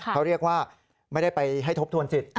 เขาเรียกว่าไม่ได้ไปให้ทบทวนสิทธิ